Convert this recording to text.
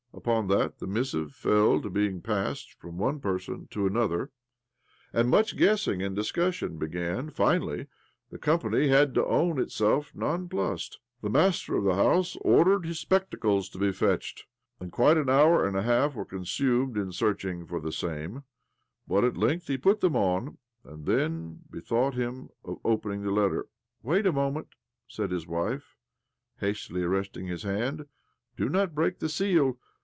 Upon that the missive fell to being passed from one person to another ; and much guessing and discussion began. Finally the company had to^ own itself nonplussed. The master of the house ordered his spectacles to be fetched, and quite an hour and a half were consumed in searching for the same ; but at length he put them on, and then bethought him of opening the letter. " Wait a moment," said his wife, hastily arresting his hand. " Do not break the seal.